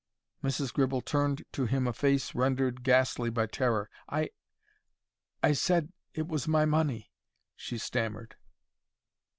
Mrs. Gribble turned to him a face rendered ghastly by terror. "I—I said—it was my money," she stammered.